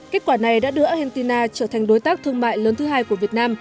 kết quả này đã đưa argentina trở thành đối tác thương mại lớn thứ hai của việt nam